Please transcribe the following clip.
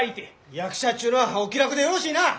役者っちゅうのはお気楽でよろしいなあ。